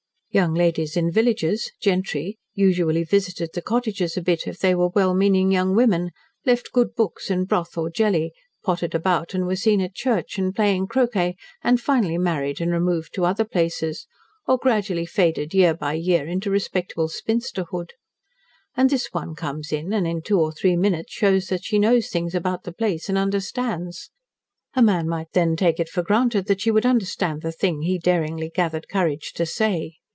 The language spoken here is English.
Young ladies in villages gentry usually visited the cottagers a bit if they were well meaning young women left good books and broth or jelly, pottered about and were seen at church, and playing croquet, and finally married and removed to other places, or gradually faded year by year into respectable spinsterhood. And this one comes in, and in two or three minutes shows that she knows things about the place and understands. A man might then take it for granted that she would understand the thing he daringly gathered courage to say.